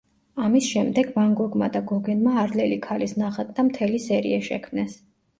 ამის შემდეგ ვან გოგმა და გოგენმა არლელი ქალის ნახატთა მთელი სერია შექმნეს.